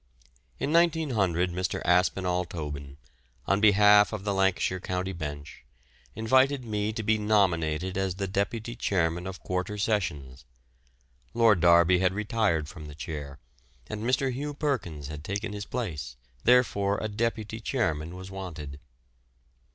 In 1900 Mr. Aspinall Tobin, on behalf of the Lancashire County Bench, invited me to be nominated as the deputy chairman of Quarter Sessions. Lord Derby had retired from the chair, and Mr. Hugh Perkins had taken his place, therefore a deputy chairman was wanted.